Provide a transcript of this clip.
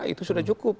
itu sudah cukup